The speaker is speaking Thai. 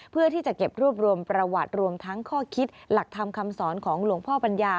เพื่อที่จะเก็บรวบรวมประวัติรวมทั้งข้อคิดหลักธรรมคำสอนของหลวงพ่อปัญญา